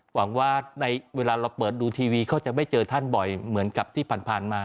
หวังว่าในเวลาเราเปิดดูทีวีเขาจะไม่เจอท่านบ่อยเหมือนกับที่ผ่านมา